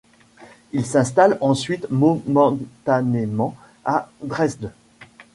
Il s'installe ensuite momentanément à Dresde.